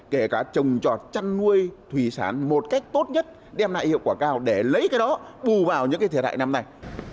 kể cả trồng trọt chăn nuôi thủy sản một cách tốt nhất đem lại hiệu quả cao để lấy cái đó bù vào những thiệt hại năm nay